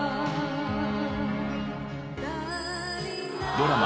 ドラマ